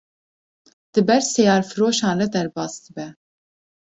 di ber seyarfiroşan re derbas dibe